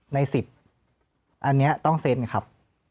ใน๑๐อันนี้ต้องเซ็นไงครับ